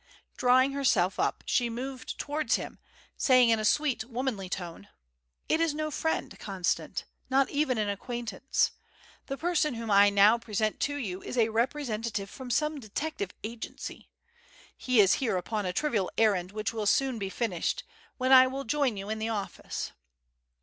Drawing herself up, she moved towards him, saying in a sweet womanly tone: "It is no friend, Constant, not even an acquaintance. The person whom I now present to you is a representative from some detective agency. He is here upon a trivial errand which will soon be finished, when I will join you in the office."